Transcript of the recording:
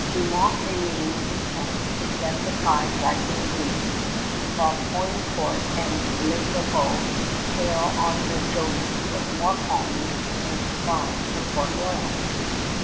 De Monts remains in France to stem the tide rising against him, while Poutrincourt and Lescarbot sail on the Jonas with more colonists and supplies for Port Royal.